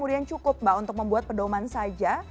yang cukup mbak untuk membuat pedoman saja